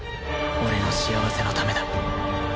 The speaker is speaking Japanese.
俺の幸せのためだ